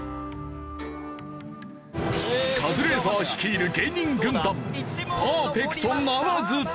カズレーザー率いる芸人軍団パーフェクトならず。